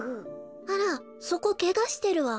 あらそこけがしてるわ。